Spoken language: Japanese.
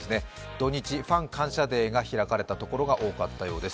土日ファン感謝デーが開かれたところが多かったようです。